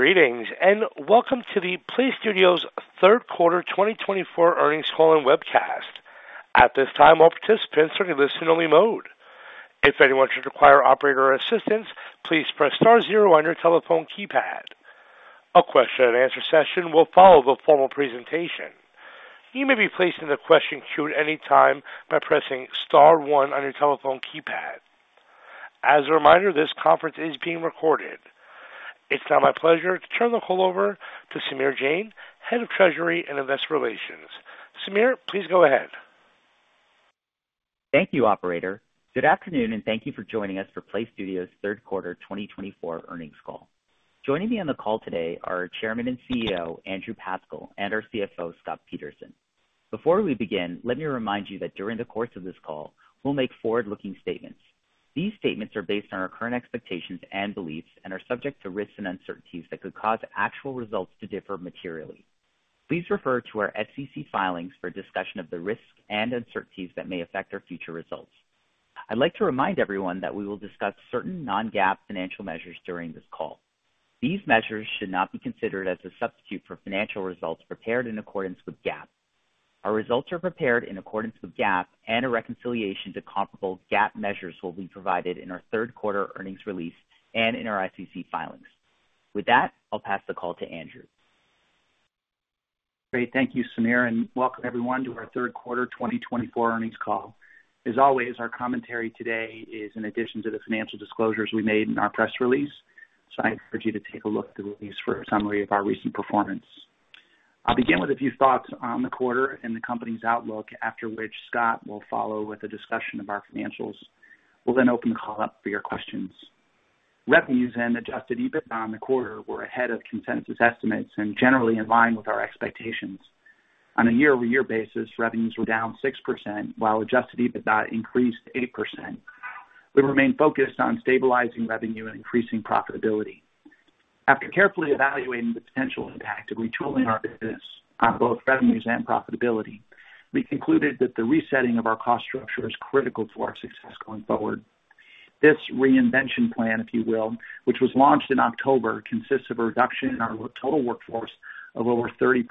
Greetings, and welcome to the PLAYSTUDIOS Third Quarter 2024 Earnings Call and Webcast. At this time, all participants are in listen-only mode. If anyone should require operator assistance, please press star zero on your telephone keypad. A question-and-answer session will follow the formal presentation. You may be placed in the question queue at any time by pressing star one on your telephone keypad. As a reminder, this conference is being recorded. It's now my pleasure to turn the call over to Samir Jain, Head of Treasury and Investor Relations. Samir, please go ahead. Thank you, Operator. Good afternoon, and thank you for joining us for PLAYSTUDIOS Third Quarter 2024 Earnings Call. Joining me on the call today are Chairman and CEO Andrew Pascal and our CFO Scott Peterson. Before we begin, let me remind you that during the course of this call, we'll make forward-looking statements. These statements are based on our current expectations and beliefs and are subject to risks and uncertainties that could cause actual results to differ materially. Please refer to our SEC filings for discussion of the risks and uncertainties that may affect our future results. I'd like to remind everyone that we will discuss certain non-GAAP financial measures during this call. These measures should not be considered as a substitute for financial results prepared in accordance with GAAP. Our results are prepared in accordance with GAAP, and a reconciliation to comparable GAAP measures will be provided in our third quarter earnings release and in our SEC filings. With that, I'll pass the call to Andrew. Great. Thank you, Samir, and welcome everyone to our Third Quarter 2024 Earnings Call. As always, our commentary today is in addition to the financial disclosures we made in our press release, so I encourage you to take a look at the release for a summary of our recent performance. I'll begin with a few thoughts on the quarter and the company's outlook, after which Scott will follow with a discussion of our financials. We'll then open the call up for your questions. Revenues and Adjusted EBITDA on the quarter were ahead of consensus estimates and generally in line with our expectations. On a year-over-year basis, revenues were down 6%, while Adjusted EBITDA increased 8%. We remain focused on stabilizing revenue and increasing profitability. After carefully evaluating the potential impact of retooling our business on both revenues and profitability, we concluded that the resetting of our cost structure is critical to our success going forward. This reinvention plan, if you will, which was launched in October, consists of a reduction in our total workforce of over 30%,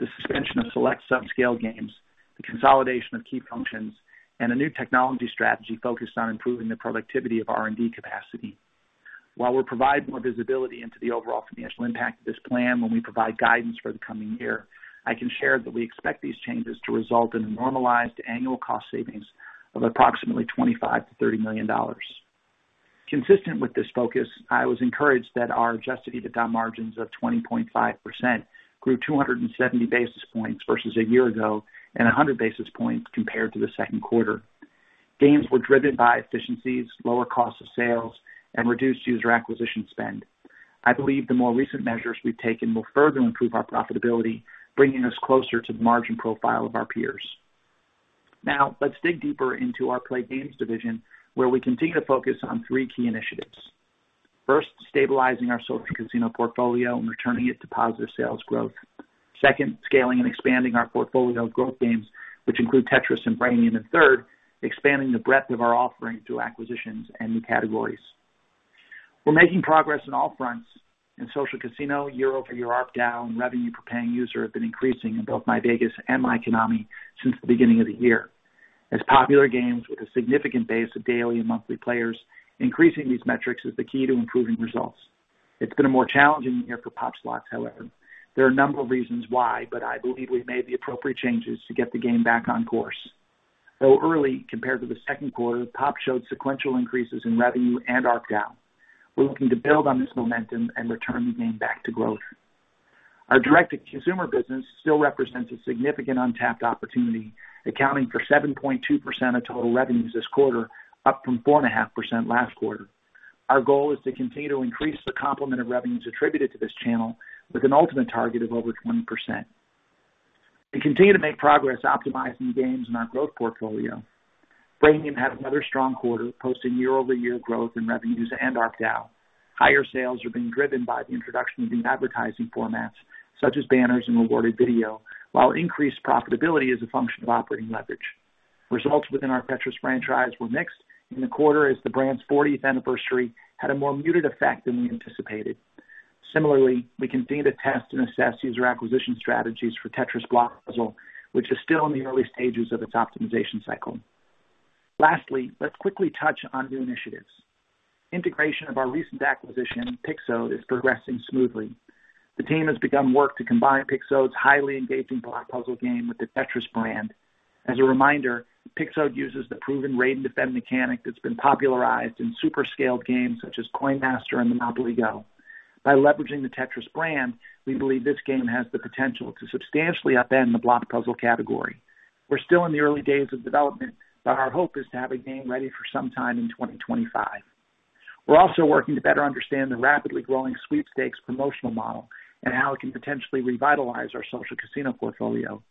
the suspension of select subscale games, the consolidation of key functions, and a new technology strategy focused on improving the productivity of R&D capacity. While we're providing more visibility into the overall financial impact of this plan when we provide guidance for the coming year, I can share that we expect these changes to result in a normalized annual cost savings of approximately $25-$30 million. Consistent with this focus, I was encouraged that our Adjusted EBITDA margins of 20.5% grew 270 basis points versus a year ago and 100 basis points compared to the second quarter. Gains were driven by efficiencies, lower cost of sales, and reduced user acquisition spend. I believe the more recent measures we've taken will further improve our profitability, bringing us closer to the margin profile of our peers. Now, let's dig deeper into our playGAMES division, where we continue to focus on three key initiatives. First, stabilizing our social casino portfolio and returning it to positive sales growth. Second, scaling and expanding our portfolio of growth games, which include Tetris and Brainium. And third, expanding the breadth of our offering through acquisitions and new categories. We're making progress on all fronts, and social casino, year-over-year ARPDA and revenue per paying user have been increasing in both myVEGAS and myKONAMI since the beginning of the year. As popular games with a significant base of daily and monthly players, increasing these metrics is the key to improving results. It's been a more challenging year for POP! Slots, however. There are a number of reasons why, but I believe we've made the appropriate changes to get the game back on course. Though early compared to the second quarter, POP showed sequential increases in revenue and ARPDA. We're looking to build on this momentum and return the game back to growth. Our direct-to-consumer business still represents a significant untapped opportunity, accounting for 7.2% of total revenues this quarter, up from 4.5% last quarter. Our goal is to continue to increase the complement of revenues attributed to this channel with an ultimate target of over 20%. We continue to make progress optimizing games in our growth portfolio. Brainium had another strong quarter, posting year-over-year growth in revenues and ARPDA. Higher sales are being driven by the introduction of new advertising formats, such as banners and rewarded video, while increased profitability is a function of operating leverage. Results within our Tetris franchise were mixed in the quarter, as the brand's 40th anniversary had a more muted effect than we anticipated. Similarly, we continue to test and assess user acquisition strategies for Tetris Block Puzzle, which is still in the early stages of its optimization cycle. Lastly, let's quickly touch on new initiatives. Integration of our recent acquisition, Pixod, is progressing smoothly. The team has begun work to combine Pixod's highly engaging Block Puzzle game with the Tetris brand. As a reminder, Pixod uses the proven raid-and-defend mechanic that's been popularized in super-scaled games such as Coin Master and Monopoly GO!. By leveraging the Tetris brand, we believe this game has the potential to substantially upend the Block Puzzle category. We're still in the early days of development, but our hope is to have a game ready for sometime in 2025. We're also working to better understand the rapidly growing Sweepstakes promotional model and how it can potentially revitalize our social casino portfolio.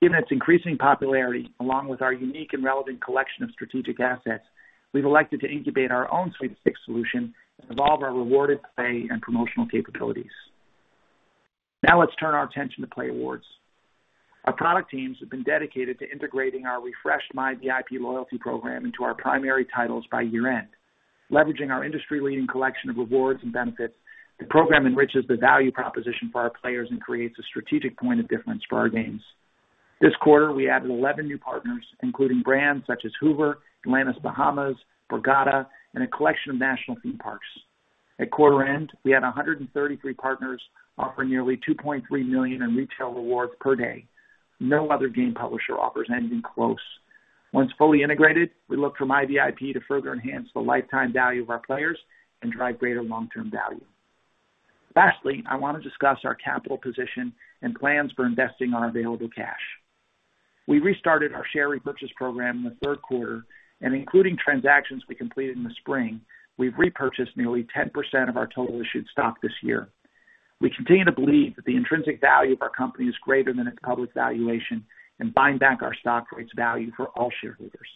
Given its increasing popularity, along with our unique and relevant collection of strategic assets, we've elected to incubate our own Sweepstakes solution and evolve our rewarded play and promotional capabilities. Now, let's turn our attention to playAWARDS. Our product teams have been dedicated to integrating our refreshed myVIP Loyalty Program into our primary titles by year-end. Leveraging our industry-leading collection of rewards and benefits, the program enriches the value proposition for our players and creates a strategic point of difference for our games. This quarter, we added 11 new partners, including brands such as Hoover, Atlantis Bahamas, Borgata, and a collection of national theme parks. At quarter end, we had 133 partners offering nearly $2.3 million in retail rewards per day. No other game publisher offers anything close. Once fully integrated, we look for myVIP to further enhance the lifetime value of our players and drive greater long-term value. Lastly, I want to discuss our capital position and plans for investing our available cash. We restarted our share repurchase program in the third quarter, and including transactions we completed in the spring, we've repurchased nearly 10% of our total issued stock this year. We continue to believe that the intrinsic value of our company is greater than its public valuation and buy back our stock for its value for all shareholders.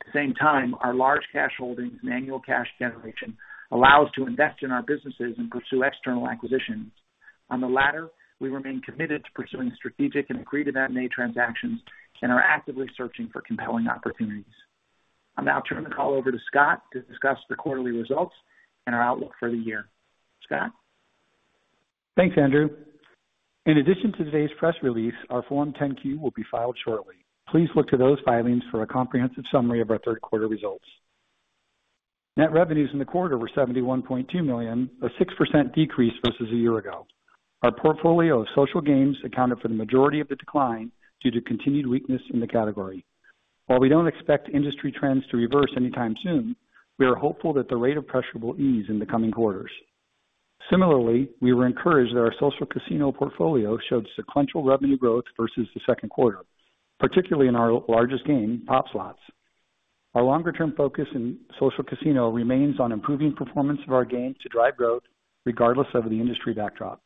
At the same time, our large cash holdings and annual cash generation allow us to invest in our businesses and pursue external acquisitions. On the latter, we remain committed to pursuing strategic and accretive M&A transactions and are actively searching for compelling opportunities. I'll now turn the call over to Scott to discuss the quarterly results and our outlook for the year. Scott? Thanks, Andrew. In addition to today's press release, our Form 10-Q will be filed shortly. Please look to those filings for a comprehensive summary of our third quarter results. Net revenues in the quarter were $71.2 million, a 6% decrease versus a year ago. Our portfolio of social games accounted for the majority of the decline due to continued weakness in the category. While we don't expect industry trends to reverse anytime soon, we are hopeful that the rate of pressure will ease in the coming quarters. Similarly, we were encouraged that our social casino portfolio showed sequential revenue growth versus the second quarter, particularly in our largest game, POP! Slots. Our longer-term focus in social casino remains on improving performance of our games to drive growth regardless of the industry backdrop.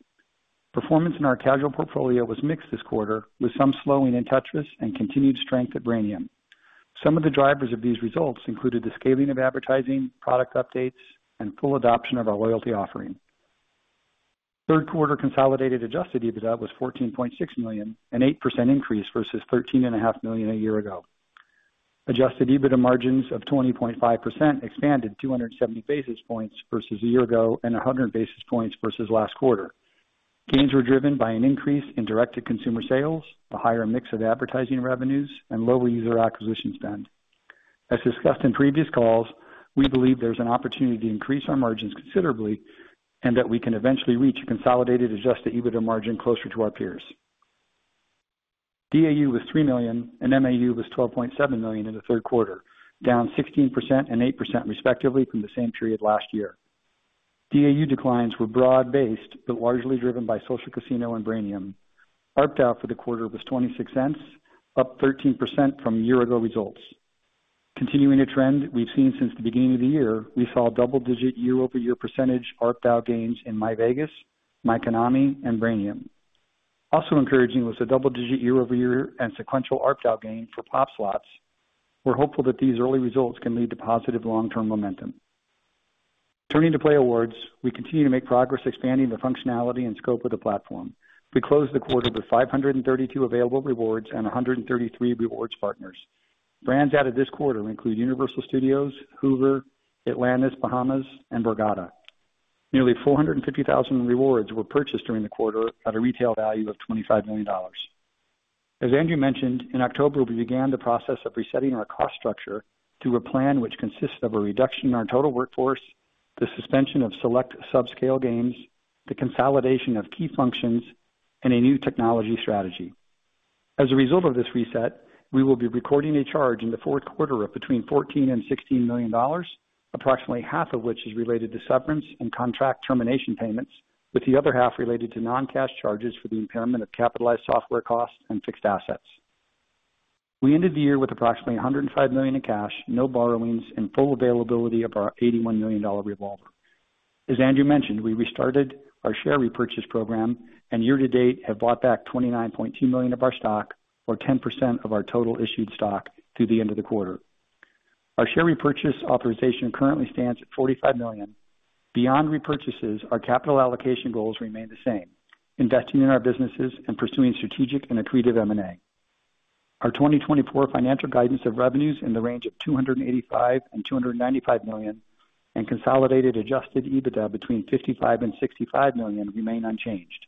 Performance in our casual portfolio was mixed this quarter, with some slowing in Tetris and continued strength at Brainium. Some of the drivers of these results included the scaling of advertising, product updates, and full adoption of our loyalty offering. Third quarter consolidated Adjusted EBITDA was $14.6 million, an 8% increase versus $13.5 million a year ago. Adjusted EBITDA margins of 20.5% expanded 270 basis points versus a year ago and 100 basis points versus last quarter. Gains were driven by an increase in Direct-to-Consumer sales, a higher mix of advertising revenues, and lower User Acquisition spend. As discussed in previous calls, we believe there's an opportunity to increase our margins considerably and that we can eventually reach a consolidated Adjusted EBITDA margin closer to our peers. DAU was 3 million, and MAU was $12.7 million in the third quarter, down 16% and 8% respectively from the same period last year. DAU declines were broad-based but largely driven by Social Casino and Brainium. ARPDA for the quarter was $0.26, up 13% from year-ago results. Continuing a trend we've seen since the beginning of the year, we saw double-digit year-over-year percentage ARPDA gains in myVEGAS, myKONAMI, and Brainium. Also encouraging was a double-digit year-over-year and sequential ARPDA gain for POP! Slots. We're hopeful that these early results can lead to positive long-term momentum. Turning to playAWARDS, we continue to make progress expanding the functionality and scope of the platform. We closed the quarter with 532 available rewards and 133 rewards partners. Brands added this quarter include Universal Studios, Hoover, Atlantis Bahamas, and Borgata. Nearly $450,000 in rewards were purchased during the quarter at a retail value of $25 million. As Andrew mentioned, in October, we began the process of resetting our cost structure through a plan which consists of a reduction in our total workforce, the suspension of select subscale games, the consolidation of key functions, and a new technology strategy. As a result of this reset, we will be recording a charge in the fourth quarter of between $14 and $16 million, approximately half of which is related to severance and contract termination payments, with the other half related to non-cash charges for the impairment of capitalized software costs and fixed assets. We ended the year with approximately $105 million in cash, no borrowings, and full availability of our $81 million revolver. As Andrew mentioned, we restarted our share repurchase program and year-to-date have bought back $29.2 million of our stock, or 10% of our total issued stock, through the end of the quarter. Our share repurchase authorization currently stands at $45 million. Beyond repurchases, our capital allocation goals remain the same: investing in our businesses and pursuing strategic and accretive M&A. Our 2024 financial guidance of revenues in the range of $285-$295 million and consolidated Adjusted EBITDA between $55-$65 million remain unchanged.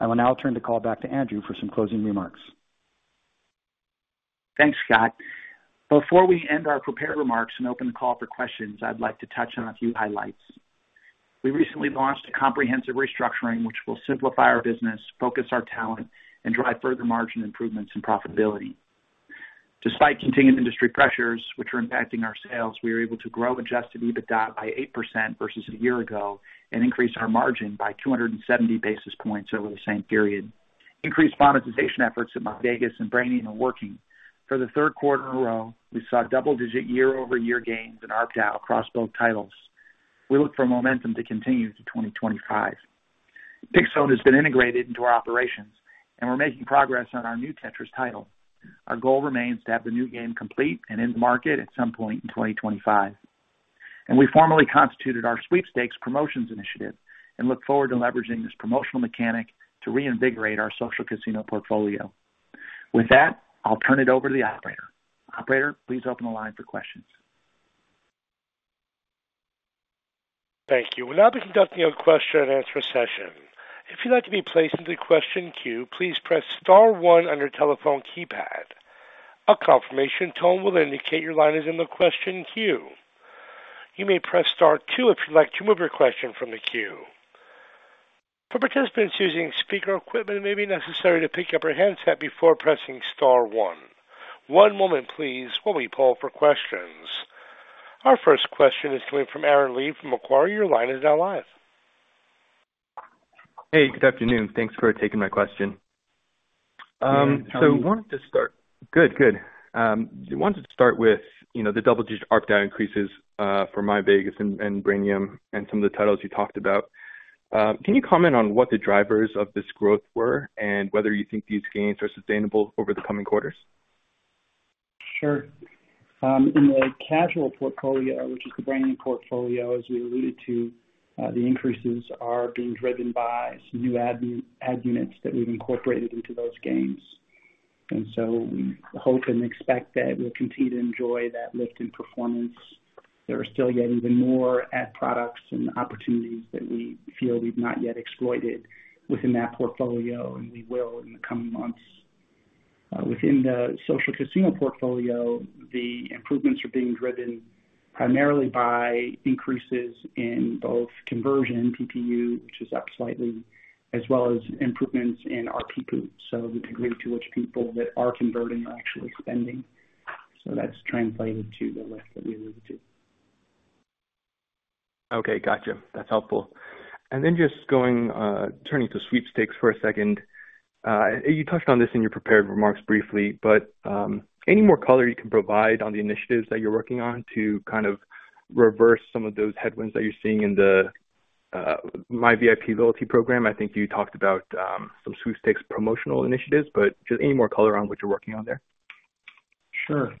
I will now turn the call back to Andrew for some closing remarks. Thanks, Scott. Before we end our prepared remarks and open the call for questions, I'd like to touch on a few highlights. We recently launched a comprehensive restructuring which will simplify our business, focus our talent, and drive further margin improvements and profitability. Despite continued industry pressures, which are impacting our sales, we were able to grow Adjusted EBITDA by 8% versus a year ago and increase our margin by 270 basis points over the same period. Increased monetization efforts at myVEGAS and Brainium are working. For the third quarter in a row, we saw double-digit year-over-year gains in ARPDA across both titles. We look for momentum to continue into 2025. Pixod has been integrated into our operations, and we're making progress on our new Tetris title. Our goal remains to have the new game complete and in the market at some point in 2025. And we formally constituted our Sweepstakes promotions initiative and look forward to leveraging this promotional mechanic to reinvigorate our social casino portfolio. With that, I'll turn it over to the operator. Operator, please open the line for questions. Thank you. We'll now be conducting a question-and-answer session. If you'd like to be placed into the question queue, please press Star one on your telephone keypad. A confirmation tone will indicate your line is in the question queue. You may press Star two if you'd like to move your question from the queue. For participants using speaker equipment, it may be necessary to pick up your handset before pressing Star one. One moment, please, while we poll for questions. Our first question is coming from Aaron Lee from Macquarie. Your line is now live. Hey, good afternoon. Thanks for taking my question. Good afternoon. So we wanted to start. Good, good. We wanted to start with the double-digit ARPDA increases for myVEGAS and Brainium and some of the titles you talked about. Can you comment on what the drivers of this growth were and whether you think these gains are sustainable over the coming quarters? Sure. In the casual portfolio, which is the Brainium portfolio, as we alluded to, the increases are being driven by some new ad units that we've incorporated into those games, and so we hope and expect that we'll continue to enjoy that lift in performance. There are still yet even more ad products and opportunities that we feel we've not yet exploited within that portfolio, and we will in the coming months. Within the social casino portfolio, the improvements are being driven primarily by increases in both conversion, PPU, which is up slightly, as well as improvements in our PPU, so the degree to which people that are converting are actually spending, and that's translated to the lift that we alluded to. Okay, gotcha. That's helpful. And then just turning to Sweepstakes for a second, you touched on this in your prepared remarks briefly, but any more color you can provide on the initiatives that you're working on to kind of reverse some of those headwinds that you're seeing in the myVIP Loyalty Program? I think you talked about some Sweepstakes promotional initiatives, but just any more color on what you're working on there? Sure.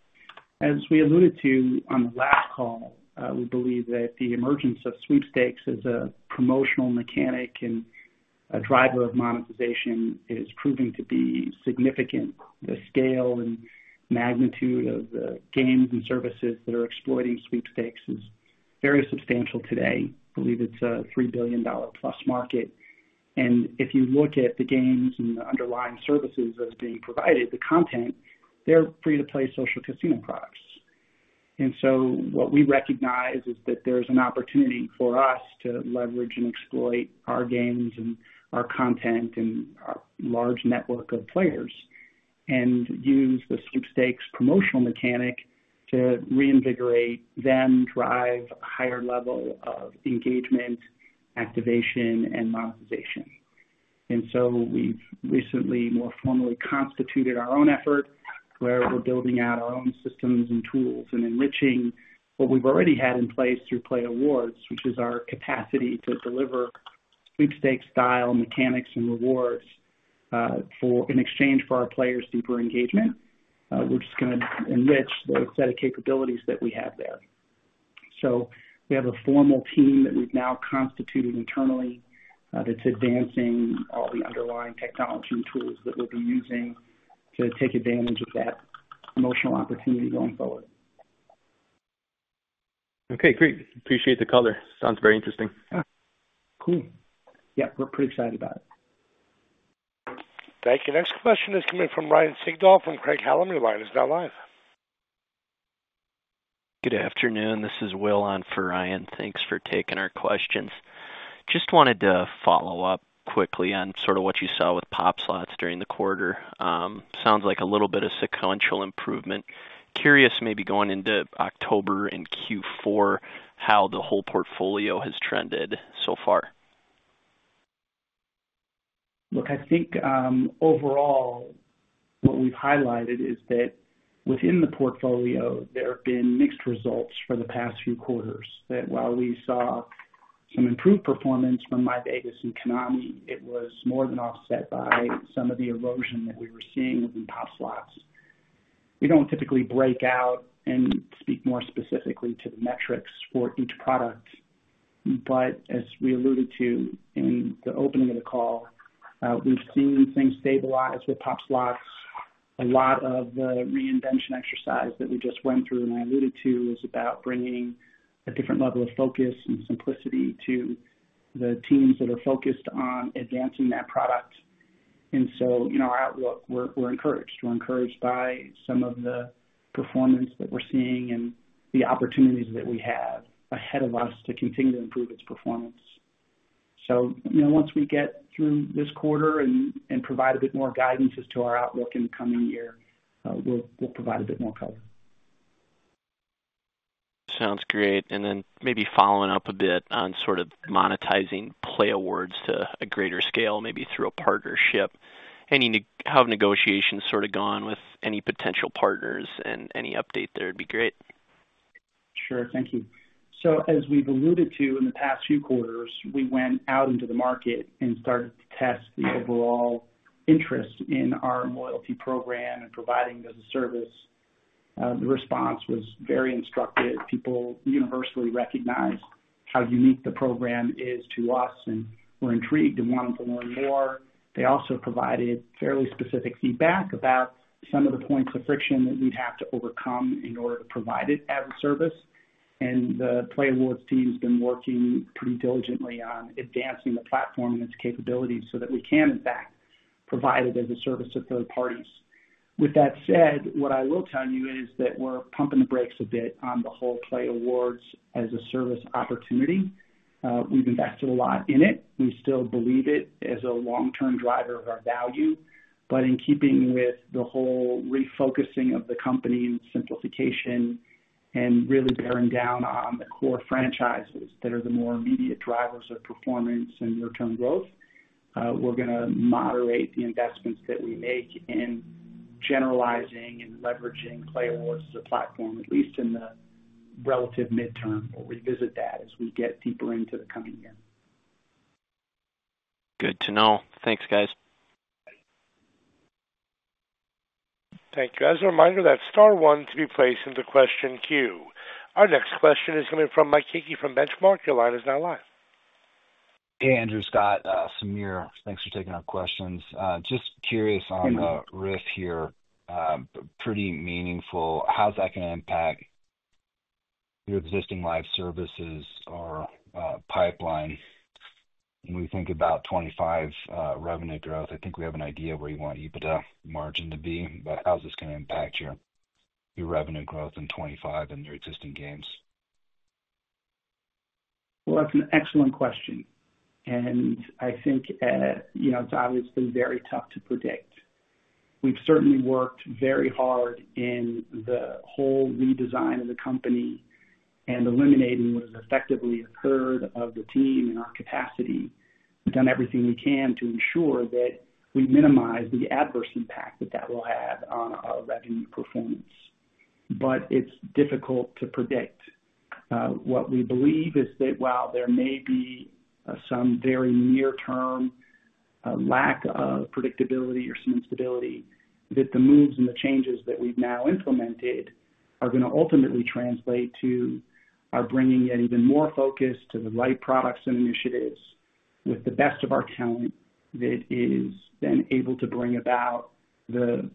As we alluded to on the last call, we believe that the emergence of Sweepstakes as a promotional mechanic and a driver of monetization is proving to be significant. The scale and magnitude of the games and services that are exploiting Sweepstakes is very substantial today. I believe it's a $3 billion-plus market. And if you look at the games and the underlying services that are being provided, the content, they're free-to-play social casino products. And so what we recognize is that there's an opportunity for us to leverage and exploit our games and our content and our large network of players and use the Sweepstakes promotional mechanic to reinvigorate, then drive a higher level of engagement, activation, and monetization. And so we've recently more formally constituted our own effort where we're building out our own systems and tools and enriching what we've already had in place through playAWARDS, which is our capacity to deliver Sweepstakes-style mechanics and rewards in exchange for our players' deeper engagement. We're just going to enrich the set of capabilities that we have there. So we have a formal team that we've now constituted internally that's advancing all the underlying technology and tools that we'll be using to take advantage of that promotional opportunity going forward. Okay, great. Appreciate the color. Sounds very interesting. Cool. Yeah, we're pretty excited about it. Thank you. Next question is coming from Ryan Sigdahl from Craig-Hallum line. He's now live. Good afternoon. This is Will on for Ryan. Thanks for taking our questions. Just wanted to follow up quickly on sort of what you saw with POP! Slots during the quarter. Sounds like a little bit of sequential improvement. Curious maybe going into October in Q4 how the whole portfolio has trended so far. Look, I think overall what we've highlighted is that within the portfolio, there have been mixed results for the past few quarters. That while we saw some improved performance from myVEGAS and myKONAMI, it was more than offset by some of the erosion that we were seeing within POP! Slots. We don't typically break out and speak more specifically to the metrics for each product, but as we alluded to in the opening of the call, we've seen things stabilize with POP! Slots. A lot of the reinvention exercise that we just went through and I alluded to is about bringing a different level of focus and simplicity to the teams that are focused on advancing that product. And so in our outlook, we're encouraged. We're encouraged by some of the performance that we're seeing and the opportunities that we have ahead of us to continue to improve its performance. So once we get through this quarter and provide a bit more guidance as to our outlook in the coming year, we'll provide a bit more color. Sounds great. And then maybe following up a bit on sort of monetizing playAWARDS to a greater scale, maybe through a partnership. How have negotiations sort of gone with any potential partners and any update there would be great? Sure, thank you. So as we've alluded to in the past few quarters, we went out into the market and started to test the overall interest in our loyalty program and providing as a service. The response was very instructive. People universally recognized how unique the program is to us, and we're intrigued and wanted to learn more. They also provided fairly specific feedback about some of the points of friction that we'd have to overcome in order to provide it as a service, and the playAWARDS team has been working pretty diligently on advancing the platform and its capabilities so that we can, in fact, provide it as a service to third parties. With that said, what I will tell you is that we're pumping the brakes a bit on the whole playAWARDS as a service opportunity. We've invested a lot in it. We still believe it as a long-term driver of our value. But in keeping with the whole refocusing of the company and simplification and really bearing down on the core franchises that are the more immediate drivers of performance and near-term growth, we're going to moderate the investments that we make in generalizing and leveraging playAWARDS as a platform, at least in the relative midterm. We'll revisit that as we get deeper into the coming year. Good to know. Thanks, guys. Thank you. As a reminder, that's Star one to be placed into question queue. Our next question is coming from Mike Hickey from Benchmark. Your line is now live. Hey, Andrew, Scott. Samir, thanks for taking our questions. Just curious on the risk here. Pretty meaningful. How's that going to impact your existing live services or pipeline? When we think about 2025 revenue growth, I think we have an idea of where you want EBITDA margin to be, but how's this going to impact your revenue growth in 2025 and your existing games? That's an excellent question. I think it's obviously very tough to predict. We've certainly worked very hard in the whole redesign of the company and eliminating what has effectively occurred of the team and our capacity. We've done everything we can to ensure that we minimize the adverse impact that that will have on our revenue performance. It's difficult to predict. What we believe is that while there may be some very near-term lack of predictability or some instability, that the moves and the changes that we've now implemented are going to ultimately translate to our bringing in even more focus to the right products and initiatives with the best of our talent that is then able to bring about the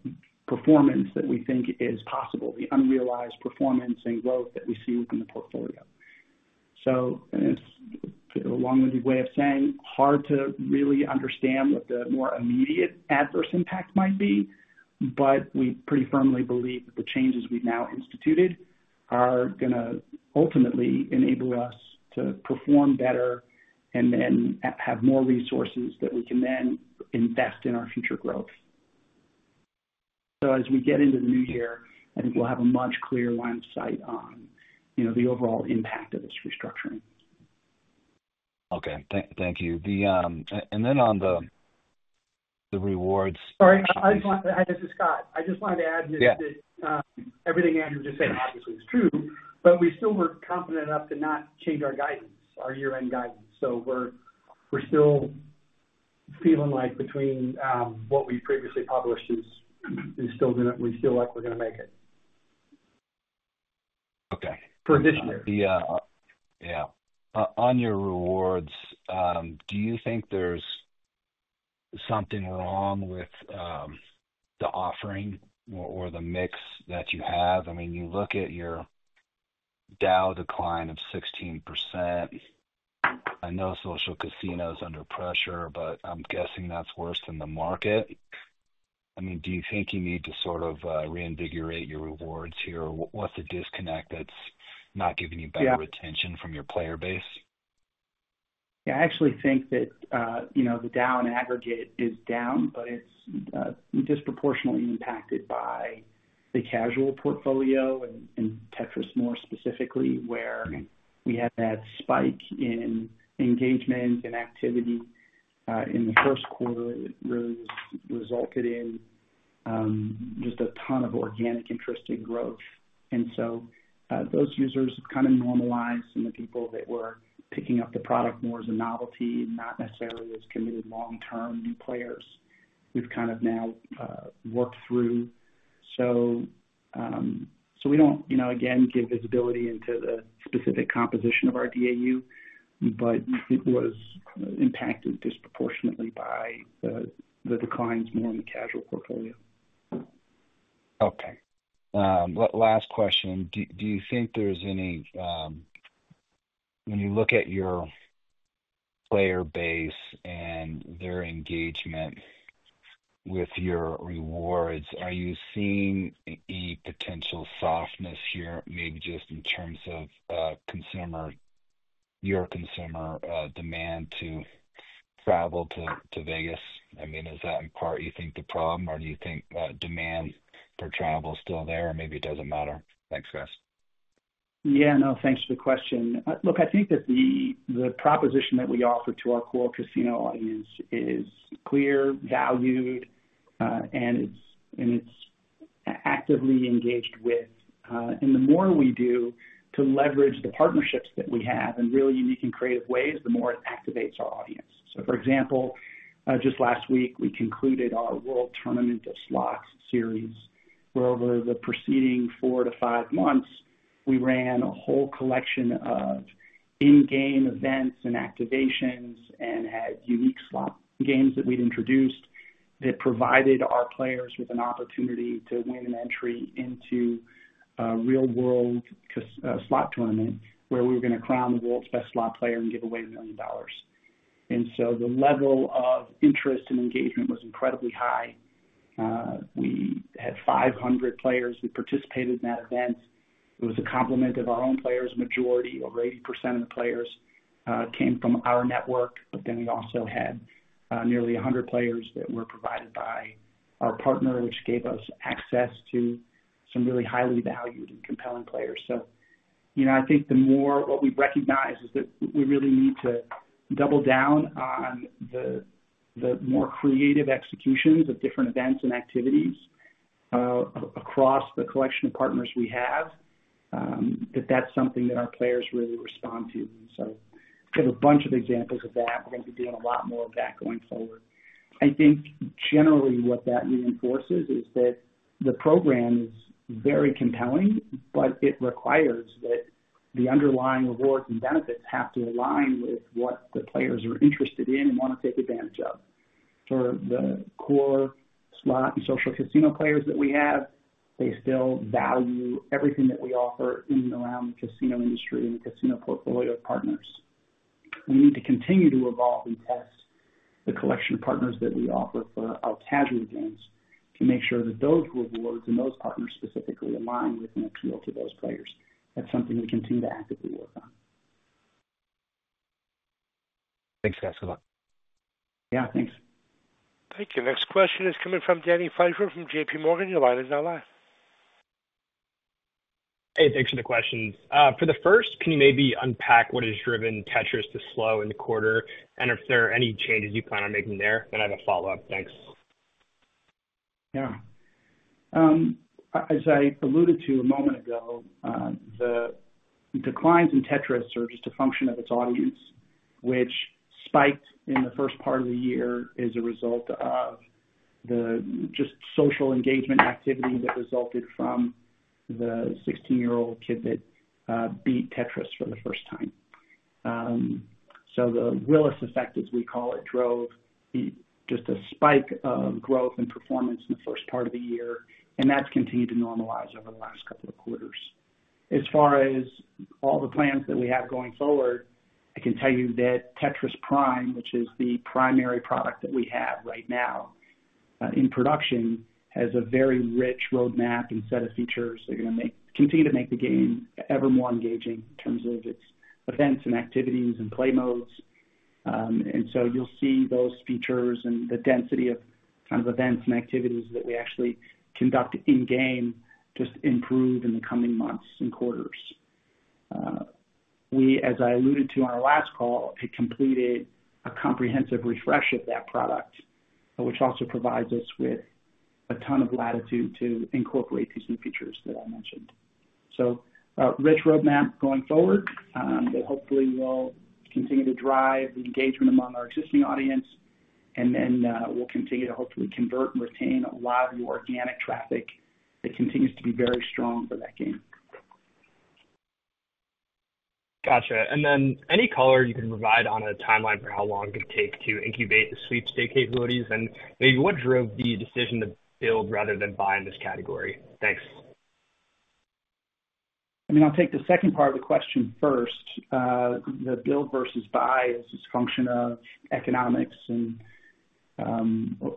performance that we think is possible, the unrealized performance and growth that we see within the portfolio. It's a long-winded way of saying hard to really understand what the more immediate adverse impact might be, but we pretty firmly believe that the changes we've now instituted are going to ultimately enable us to perform better and then have more resources that we can then invest in our future growth. As we get into the new year, I think we'll have a much clearer line of sight on the overall impact of this restructuring. Okay, thank you. And then on the rewards. Sorry, I just wanted to. Hi, this is Scott. I just wanted to add that everything Andrew just said obviously is true, but we still were confident enough to not change our guidance, our year-end guidance. So we're still feeling like between what we previously published is still going to. We feel like we're going to make it. Okay. For this year. Yeah. On your rewards, do you think there's something wrong with the offering or the mix that you have? I mean, you look at your DAU decline of 16%. I know social casino is under pressure, but I'm guessing that's worse than the market. I mean, do you think you need to sort of reinvigorate your rewards here? What's the disconnect that's not giving you better retention from your player base? Yeah, I actually think that the DAU in aggregate is down, but it's disproportionately impacted by the casual portfolio and Tetris more specifically, where we had that spike in engagement and activity in the first quarter that really resulted in just a ton of organic interest in growth, and so those users have kind of normalized and the people that were picking up the product more as a novelty and not necessarily as committed long-term new players have kind of now worked through, so we don't, again, give visibility into the specific composition of our DAU, but it was impacted disproportionately by the declines more in the casual portfolio. Okay. Last question. Do you think there's any, when you look at your player base and their engagement with your rewards, are you seeing any potential softness here, maybe just in terms of your consumer demand to travel to Vegas? I mean, is that in part, you think, the problem, or do you think demand for travel is still there, or maybe it doesn't matter? Thanks, guys. Yeah, no, thanks for the question. Look, I think that the proposition that we offer to our core casino audience is clear, valued, and it's actively engaged with. And the more we do to leverage the partnerships that we have in really unique and creative ways, the more it activates our audience. So for example, just last week, we concluded our World Tournament of Slots series, where over the preceding four to five months, we ran a whole collection of in-game events and activations and had unique slot games that we'd introduced that provided our players with an opportunity to win an entry into a real-world slot tournament where we were going to crown the world's best slot player and give away $1 million. And so the level of interest and engagement was incredibly high. We had 500 players that participated in that event. It was a complement of our own players' majority, over 80% of the players came from our network, but then we also had nearly 100 players that were provided by our partner, which gave us access to some really highly valued and compelling players. So I think the more what we recognize is that we really need to double down on the more creative executions of different events and activities across the collection of partners we have, that that's something that our players really respond to. And so we have a bunch of examples of that. We're going to be doing a lot more of that going forward. I think generally what that reinforces is that the program is very compelling, but it requires that the underlying rewards and benefits have to align with what the players are interested in and want to take advantage of. For the core slot and social casino players that we have, they still value everything that we offer in and around the casino industry and the casino portfolio of partners. We need to continue to evolve and test the collection of partners that we offer for our casual games to make sure that those rewards and those partners specifically align with and appeal to those players. That's something we continue to actively work on. Thanks, guys. Good luck. Yeah, thanks. Thank you. Next question is coming from Dani Pfeiffer from J.P. Morgan. Your line is now live. Hey, thanks for the questions. For the first, can you maybe unpack what has driven Tetris to slow in the quarter, and if there are any changes you plan on making there, then I have a follow-up. Thanks. Yeah. As I alluded to a moment ago, the declines in Tetris are just a function of its audience, which spiked in the first part of the year as a result of the just social engagement activity that resulted from the 16-year-old kid that beat Tetris for the first time. So the Willis effect, as we call it, drove just a spike of growth and performance in the first part of the year, and that's continued to normalize over the last couple of quarters. As far as all the plans that we have going forward, I can tell you that Tetris Prime, which is the primary product that we have right now in production, has a very rich roadmap and set of features. They're going to continue to make the game ever more engaging in terms of its events and activities and play modes. You'll see those features and the density of kind of events and activities that we actually conduct in-game just improve in the coming months and quarters. We, as I alluded to in our last call, had completed a comprehensive refresh of that product, which also provides us with a ton of latitude to incorporate these new features that I mentioned. Rich roadmap going forward that hopefully will continue to drive the engagement among our existing audience, and then we'll continue to hopefully convert and retain a lot of the organic traffic that continues to be very strong for that game. Gotcha. And then any color you can provide on a timeline for how long it'd take to incubate the sweepstakes capabilities? And maybe what drove the decision to build rather than buy in this category? Thanks. I mean, I'll take the second part of the question first. The build versus buy is just a function of economics and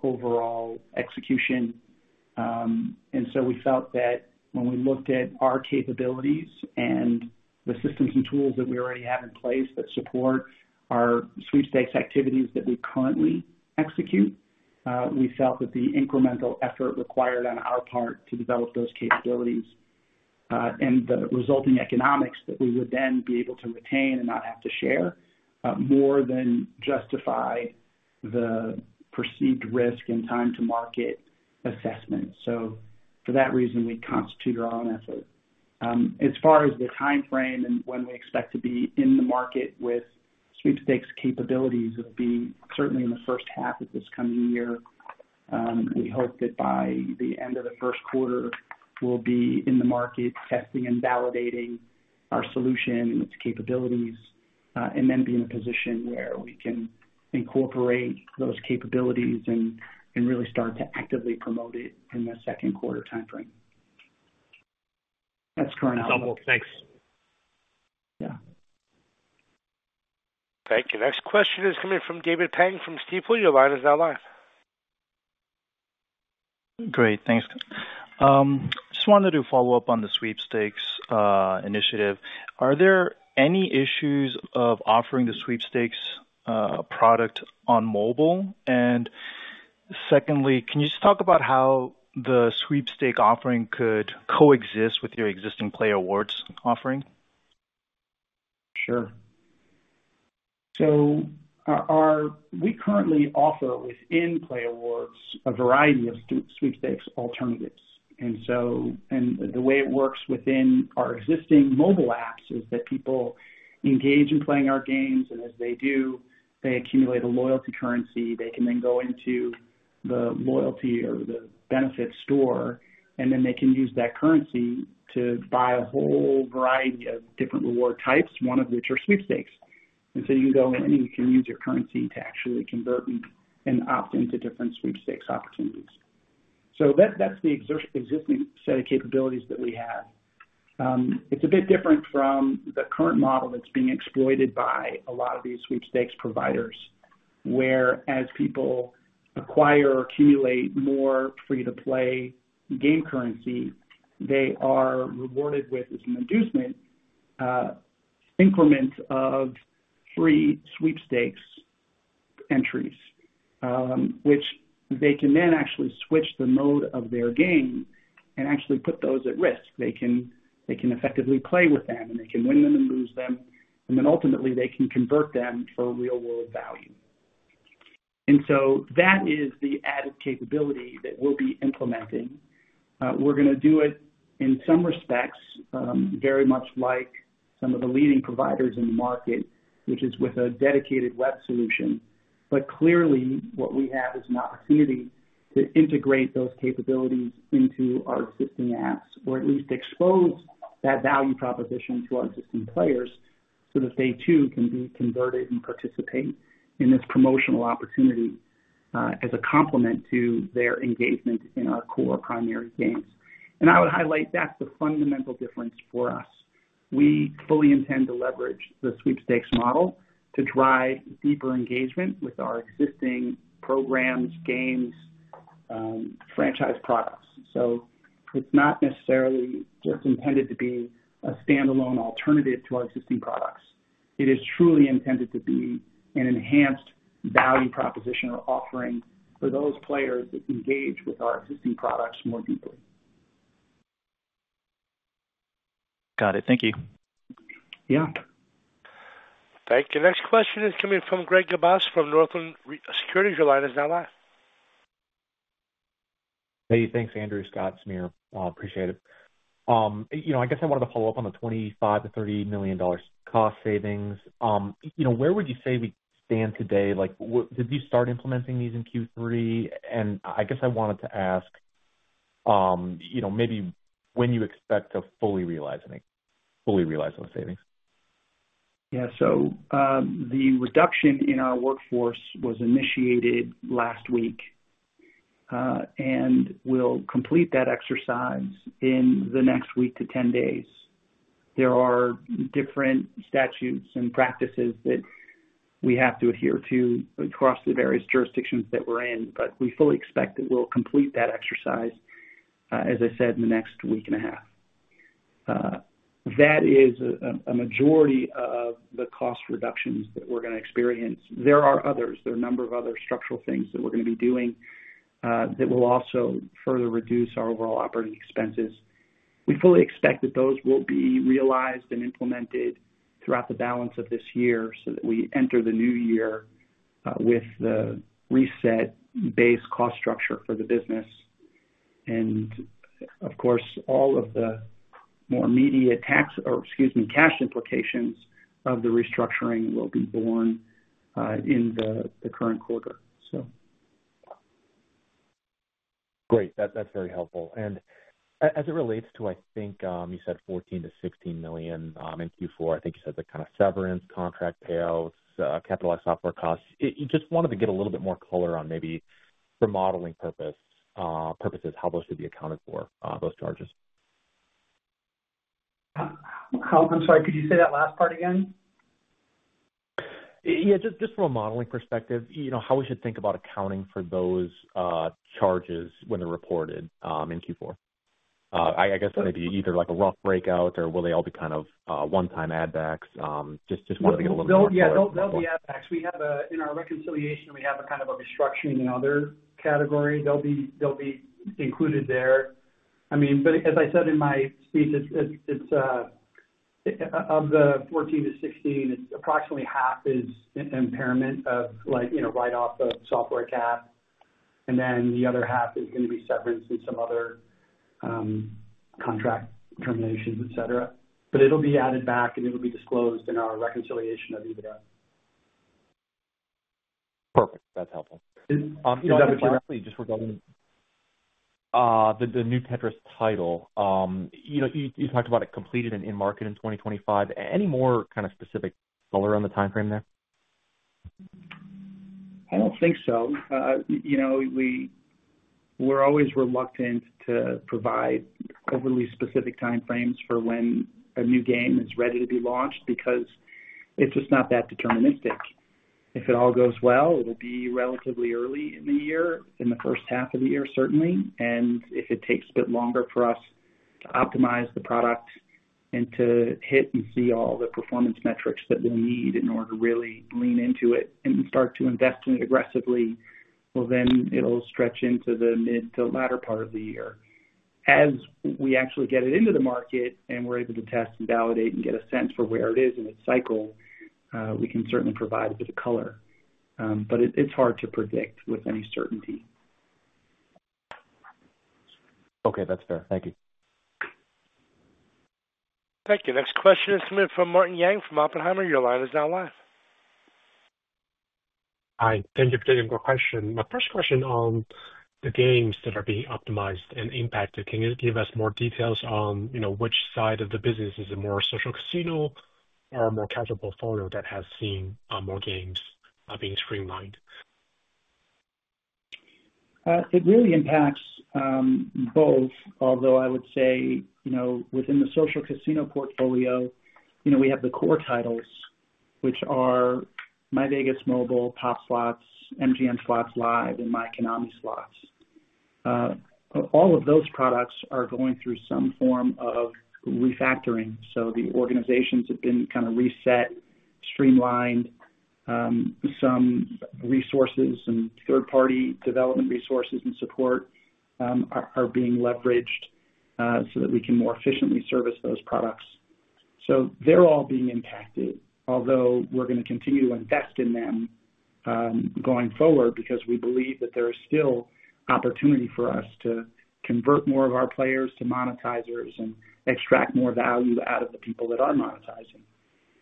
overall execution. And so we felt that when we looked at our capabilities and the systems and tools that we already have in place that support our sweepstakes activities that we currently execute, we felt that the incremental effort required on our part to develop those capabilities and the resulting economics that we would then be able to retain and not have to share more than justify the perceived risk and time-to-market assessment. So for that reason, we constituted our own effort. As far as the timeframe and when we expect to be in the market with sweepstakes capabilities, it'll be certainly in the first half of this coming year. We hope that by the end of the first quarter, we'll be in the market testing and validating our solution and its capabilities and then be in a position where we can incorporate those capabilities and really start to actively promote it in the second quarter timeframe. That's current outlook. Double. Thanks. Yeah. Thank you. Next question is coming from David Peng from Stifel. Your line is now live. Great. Thanks. Just wanted to follow up on the sweepstakes initiative. Are there any issues of offering the sweepstakes product on mobile? And secondly, can you just talk about how the sweepstakes offering could coexist with your existing playAWARDS offering? Sure, so we currently offer within playAWARDS a variety of sweepstakes alternatives, and the way it works within our existing mobile apps is that people engage in playing our games, and as they do, they accumulate a loyalty currency. They can then go into the loyalty or the benefit store, and then they can use that currency to buy a whole variety of different reward types, one of which are sweepstakes, and so you can go in and you can use your currency to actually convert and opt into different sweepstakes opportunities, so that's the existing set of capabilities that we have. It's a bit different from the current model that's being exploited by a lot of these sweepstakes providers, whereas people acquire or accumulate more free-to-play game currency, they are rewarded with an inducement increment of free sweepstakes entries, which they can then actually switch the mode of their game and actually put those at risk. They can effectively play with them, and they can win them and lose them, and then ultimately they can convert them for real-world value. And so that is the added capability that we'll be implementing. We're going to do it in some respects very much like some of the leading providers in the market, which is with a dedicated web solution. But clearly, what we have is an opportunity to integrate those capabilities into our existing apps, or at least expose that value proposition to our existing players so that they too can be converted and participate in this promotional opportunity as a complement to their engagement in our core primary games. And I would highlight that's the fundamental difference for us. We fully intend to leverage the sweepstakes model to drive deeper engagement with our existing programs, games, franchise products. So it's not necessarily just intended to be a standalone alternative to our existing products. It is truly intended to be an enhanced value proposition or offering for those players that engage with our existing products more deeply. Got it. Thank you. Yeah. Thank you. Next question is coming from Greg Gibas from Northland Securities. Your line is now live. Hey, thanks, Andrew, Scott, Samir. Appreciate it. I guess I wanted to follow up on the $25-$30 million cost savings. Where would you say we stand today? Did you start implementing these in Q3? And I guess I wanted to ask maybe when you expect to fully realize those savings. Yeah. So the reduction in our workforce was initiated last week, and we'll complete that exercise in the next week to 10 days. There are different statutes and practices that we have to adhere to across the various jurisdictions that we're in, but we fully expect that we'll complete that exercise, as I said, in the next week and a half. That is a majority of the cost reductions that we're going to experience. There are others. There are a number of other structural things that we're going to be doing that will also further reduce our overall operating expenses. We fully expect that those will be realized and implemented throughout the balance of this year so that we enter the new year with the reset-based cost structure for the business. Of course, all of the more immediate tax or, excuse me, cash implications of the restructuring will be borne in the current quarter, so. Great. That's very helpful. And as it relates to, I think you said $14 million-$16 million in Q4. I think you said the kind of severance, contract payouts, capitalized software costs. Just wanted to get a little bit more color on maybe for modeling purposes, how those should be accounted for, those charges. I'm sorry. Could you say that last part again? Yeah. Just from a modeling perspective, how we should think about accounting for those charges when they're reported in Q4? I guess maybe either a rough breakout or will they all be kind of one-time add-backs? Just wanted to get a little bit more clarity. Yeah. They'll be add-backs. In our reconciliation, we have a kind of a restructuring and other category. They'll be included there. I mean, but as I said in my speech, of the 14-16, approximately half is impairment write-off of software cap, and then the other half is going to be severance and some other contract terminations, etc. But it'll be added back, and it'll be disclosed in our reconciliation of either of them. Perfect. That's helpful. You said that directly just regarding the new Tetris title. You talked about it completed and in market in 2025. Any more kind of specific color on the timeframe there? I don't think so. We're always reluctant to provide overly specific timeframes for when a new game is ready to be launched because it's just not that deterministic. If it all goes well, it'll be relatively early in the year, in the first half of the year, certainly, and if it takes a bit longer for us to optimize the product and to hit and see all the performance metrics that we'll need in order to really lean into it and start to invest in it aggressively, well, then it'll stretch into the mid to latter part of the year. As we actually get it into the market and we're able to test and validate and get a sense for where it is in its cycle, we can certainly provide a bit of color, but it's hard to predict with any certainty. Okay. That's fair. Thank you. Thank you. Next question is coming from Martin Yang from Oppenheimer. Your line is now live. Hi. Thank you for taking my question. My first question on the games that are being optimized and impacted, can you give us more details on which side of the business is a more social casino or a more casual portfolio that has seen more games being streamlined? It really impacts both, although I would say within the social casino portfolio, we have the core titles, which are myVEGAS Slots, POP! Slots, MGM Slots Live, and myKONAMI Slots. All of those products are going through some form of refactoring. The organizations have been kind of reset, streamlined. Some resources and third-party development resources and support are being leveraged so that we can more efficiently service those products. They're all being impacted, although we're going to continue to invest in them going forward because we believe that there is still opportunity for us to convert more of our players to monetizers and extract more value out of the people that are monetizing.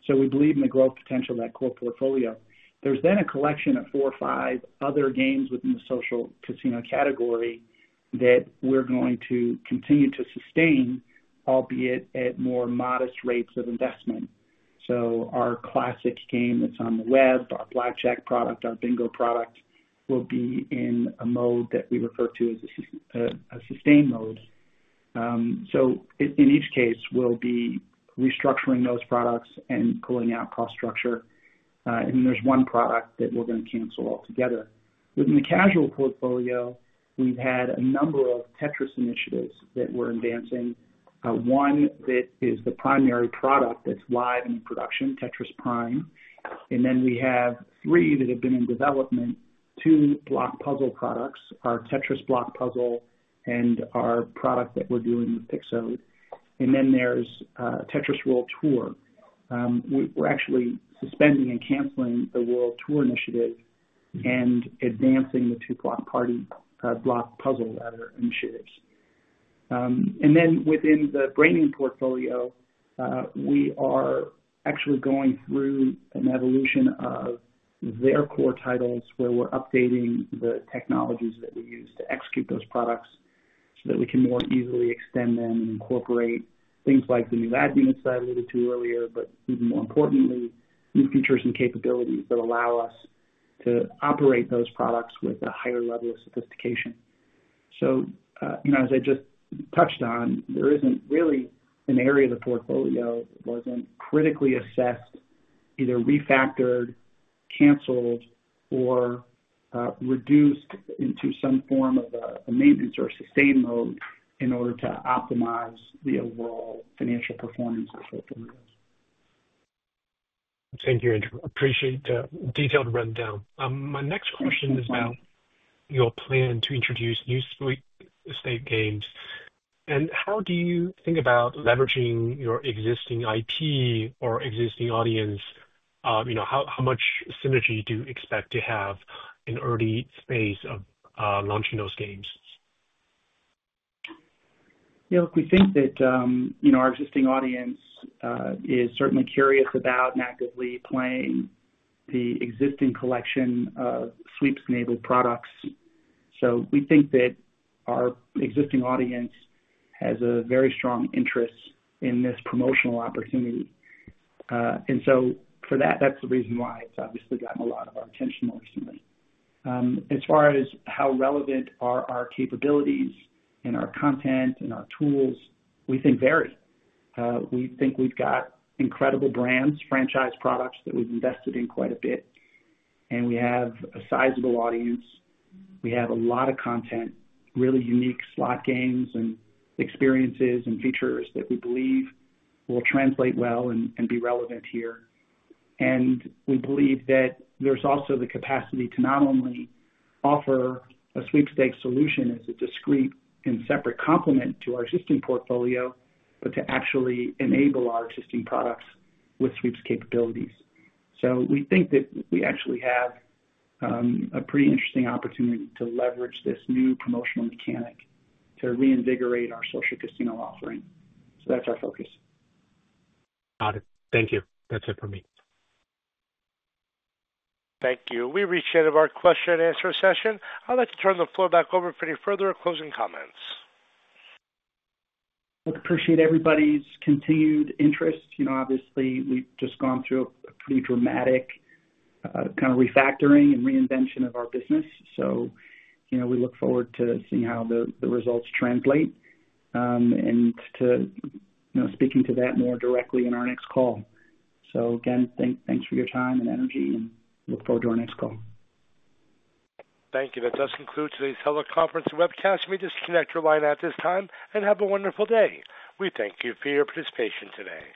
We believe in the growth potential of that core portfolio. There's a collection of four or five other games within the social casino category that we're going to continue to sustain, albeit at more modest rates of investment. Our classic game that's on the web, our blackjack product, our bingo product will be in a mode that we refer to as a sustained mode. In each case, we'll be restructuring those products and pulling out cost structure. There's one product that we're going to cancel altogether. Within the casual portfolio, we've had a number of Tetris initiatives that we're advancing. One that is the primary product that's live and in production, Tetris Prime. We have three that have been in development, two block puzzle products, our Tetris Block Puzzle and our product that we're doing with Pixod. There's Tetris World Tour. We're actually suspending and canceling the World Tour initiative and advancing the two Block Party block puzzle and other initiatives. And then within the Brainium portfolio, we are actually going through an evolution of their core titles where we're updating the technologies that we use to execute those products so that we can more easily extend them and incorporate things like the new ad units that I alluded to earlier, but even more importantly, new features and capabilities that allow us to operate those products with a higher level of sophistication. So as I just touched on, there isn't really an area of the portfolio that wasn't critically assessed, either refactored, canceled, or reduced into some form of a maintenance or sustained mode in order to optimize the overall financial performance of the portfolio. Thank you, Andrew. Appreciate the detailed rundown. My next question is about your plan to introduce new sweepstakes games, and how do you think about leveraging your existing IP or existing audience? How much synergy do you expect to have in early phase of launching those games? Yeah. Look, we think that our existing audience is certainly curious about and actively playing the existing collection of sweeps-enabled products. So we think that our existing audience has a very strong interest in this promotional opportunity. And so for that, that's the reason why it's obviously gotten a lot of our attention more recently. As far as how relevant are our capabilities and our content and our tools, we think very. We think we've got incredible brands, franchise products that we've invested in quite a bit, and we have a sizable audience. We have a lot of content, really unique slot games and experiences and features that we believe will translate well and be relevant here. We believe that there's also the capacity to not only offer a sweepstakes solution as a discrete and separate complement to our existing portfolio, but to actually enable our existing products with sweeps capabilities. We think that we actually have a pretty interesting opportunity to leverage this new promotional mechanic to reinvigorate our social casino offering. That's our focus. Got it. Thank you. That's it for me. Thank you. We've reached the end of our question-and-answer session. I'd like to turn the floor back over for any further closing comments. Look, appreciate everybody's continued interest. Obviously, we've just gone through a pretty dramatic kind of refactoring and reinvention of our business. So we look forward to seeing how the results translate and to speaking to that more directly in our next call. So again, thanks for your time and energy, and look forward to our next call. Thank you. That does conclude today's teleconference and webcast. We disconnect your line at this time and have a wonderful day. We thank you for your participation today.